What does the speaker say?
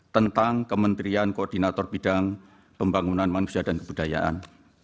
tentang kementerian koordinator bidang pembangunan manusia dan kebudayaan